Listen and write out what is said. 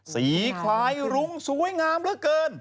คลายรุ้งสวยงามเหลือเกิน